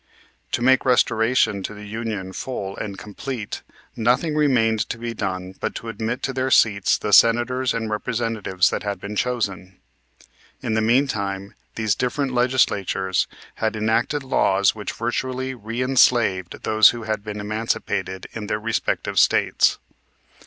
To make restoration to the Union full and complete nothing remained to be done but to admit to their seats the Senators and Representatives that had been chosen. In the mean time these different Legislatures had enacted laws which virtually re enslaved those that had been emancipated in their respective States.